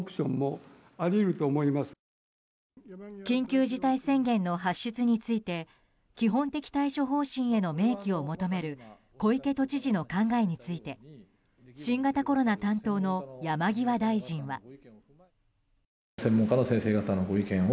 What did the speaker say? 緊急事態宣言の発出について基本的対処方針への明記を求める小池都知事の考えについて新型コロナ担当の山際大臣は。